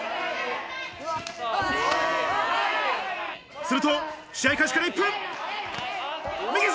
すると試合開始から１分。